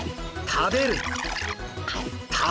食べる！